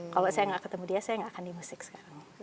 kalau saya nggak ketemu dia saya nggak akan di musik sekarang